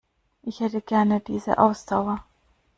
Ich hätte gerne diese Ausdauer.